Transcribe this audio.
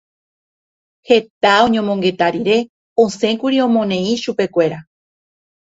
Heta oñomongeta rire osẽkuri omoneĩ chupekuéra.